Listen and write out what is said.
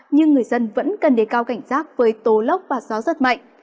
nhưng người dân vẫn cần để cao cảnh rác với tổ lốc và gió rất mạnh